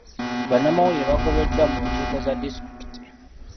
Bannamawulire bagobeddwa mu nkiiko za disitulikiti.